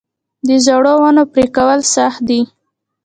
د زړو ونو پرې کول سخت دي؟